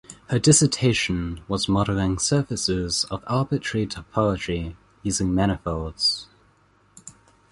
Her dissertation was "Modeling Surfaces of Arbitrary Topology using Manifolds".